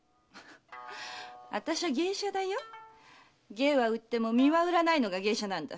芸は売っても身は売らないのが芸者なんだ。